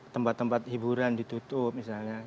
tempat tempat hiburan ditutup misalnya